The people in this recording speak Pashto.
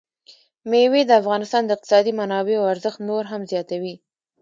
مېوې د افغانستان د اقتصادي منابعو ارزښت نور هم زیاتوي.